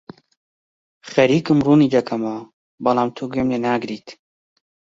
خەریکم ڕوونی دەکەمەوە، بەڵام تۆ گوێم لێ ناگریت.